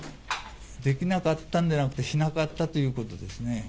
できなかったんじゃなくて、しなかったということですね。